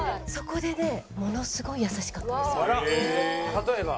例えば？